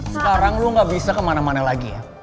sekarang lo gak bisa kemana mana lagi ya